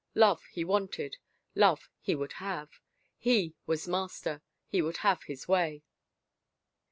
Love he wanted, love he would have. He was master. He would have his way.